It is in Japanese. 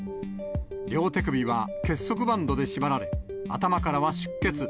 両手首は結束バンドで縛られ、頭からは出血。